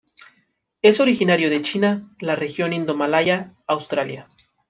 Es originario de China, la región Indomalaya, Australia.